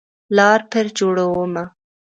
لار پر جوړومه